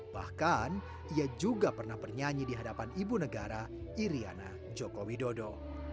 bahkan ia juga pernah bernyanyi di hadapan ibu negara iryana joko widodo